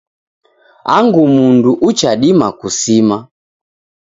Angu mundu uchadima kusima